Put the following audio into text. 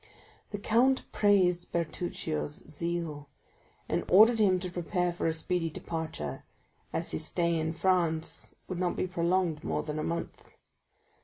The count praised Bertuccio's zeal, and ordered him to prepare for a speedy departure, as his stay in France would not be prolonged more than a month.